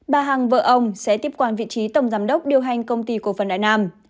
bà hằng vợ ông sẽ tiếp quản vị trí tổng giám đốc điều hành công ty cổ phần đại nam